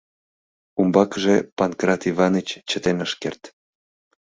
Умбакыже Панкрат Иваныч чытен ыш керт: